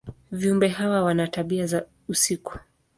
Viumbe hawa wana tabia za usiku.